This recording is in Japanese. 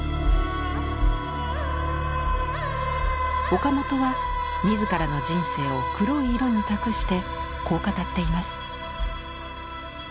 岡本は自らの人生を黒い色に託してこう語っています。